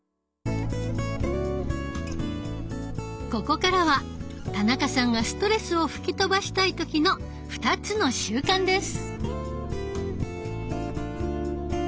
ここからは田中さんがストレスを吹き飛ばしたい時の２つの習慣です。